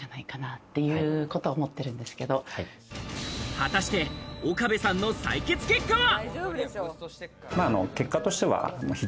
果たして、岡部さんの採血結果は？